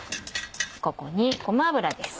ここにごま油です。